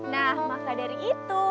nah maka dari itu